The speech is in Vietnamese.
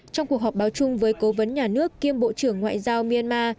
trong cuộc họp báo chung với cố vấn nhà nước kiêm bộ trưởng ngoại giao myanmar